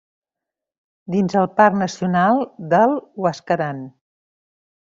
Dins el Parc Nacional del Huascarán.